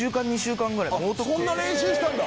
そんな練習したんだ。